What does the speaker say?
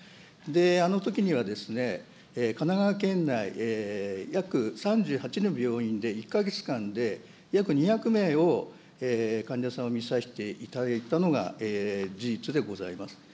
あのときにはですね、神奈川県内約３８の病院で１か月間で、約２００名を患者さんを診させていただいたのが事実でございます。